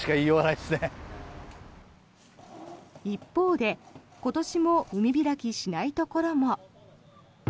一方で今年も海開きしないところも。